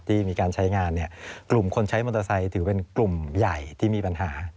ที่มีการใช้งานกลุ่มคนใช้มอเตอร์ไซค์ถือเป็นกลุ่มใหญ่ที่มีปัญหา